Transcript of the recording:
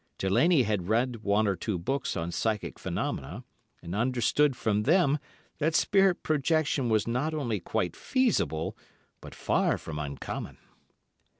Delaney had read one or two works on psychic phenomena, and understood from them that spirit projection was not only quite feasible but far from uncommon.